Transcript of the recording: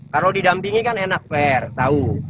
kalau didampingi kan enak fair tahu